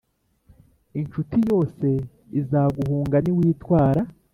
incuti yose izaguhunga, niwitwara